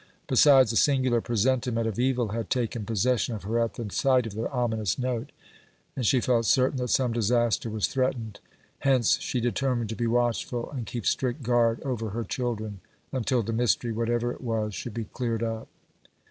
Besides, a singular presentiment of evil had taken possession of her at the sight of the ominous note, and she felt certain that some disaster was threatened; hence, she determined to be watchful and keep strict guard over her children until the mystery, whatever it was, should be cleared up.